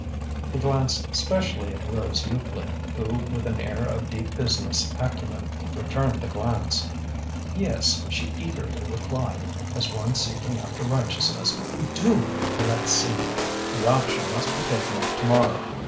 He glanced specially at Rose Euclid, who with an air of deep business acumen returned the glance. "Yes," she eagerly replied, as one seeking after righteousness, "do let's see." "The option must be taken up to morrow.